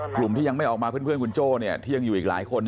ที่ยังไม่ออกมาเพื่อนคุณโจ้ที่ยังอยู่อีกหลายคน